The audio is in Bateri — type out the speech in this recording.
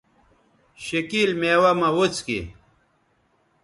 شِکِیل میوہ مہ وڅکیئ